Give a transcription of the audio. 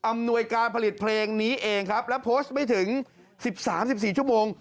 หน่วยการผลิตเพลงนี้เองครับและโพสต์ไม่ถึง๑๓๑๔ชั่วโมง